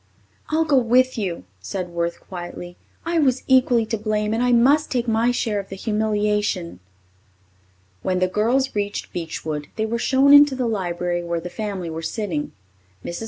"I'll go with you," said Worth quietly. "I was equally to blame and I must take my share of the humiliation." When the girls reached Beechwood, they were shown into the library where the family were sitting. Mrs.